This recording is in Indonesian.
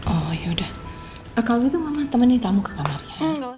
oh yaudah kalo gitu mama temenin tamu ke kamarnya